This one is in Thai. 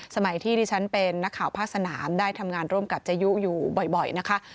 สมัยที่ดิฉันเป็นนักข่าวภาคสนามได้ทำงานร่วมกับเจยุอยู่บ่อยนะคะ